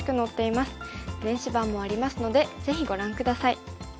電子版もありますのでぜひご覧下さい。